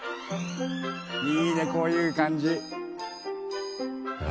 いいねこういう感じ。